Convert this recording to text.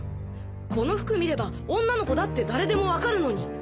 この服見れば女の子だって誰でもわかるのに。